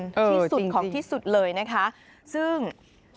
ที่สุดของที่สุดเลยนะคะซึ่ง